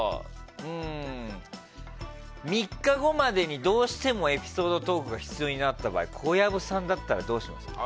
３日後までにどうしてもエピソードトークが必要になった場合小籔さんだったらどうしますか。